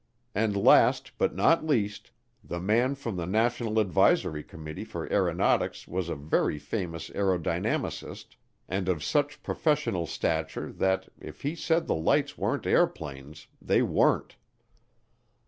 And last, but not least, the man from the National Advisory Committee for Aeronautics was a very famous aerodynamicist and of such professional stature that if he said the lights weren't airplanes they weren't.